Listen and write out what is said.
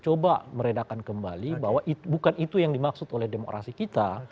coba meredakan kembali bahwa bukan itu yang dimaksud oleh demokrasi kita